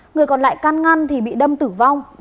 người còn lại can ngăn thì bị đâm tử vong